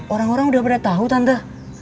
orang orang udah pada tahu tante